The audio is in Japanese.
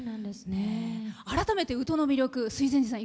改めて宇土の魅力、水前寺さん